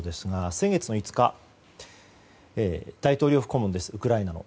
先月の５日大統領顧問ですウクライナの。